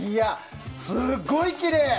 すごいきれい！